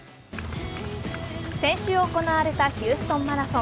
先週行われたヒューストンマラソン。